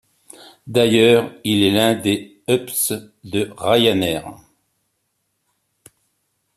D'ailleurs, il est l'un des hubs de Ryanair.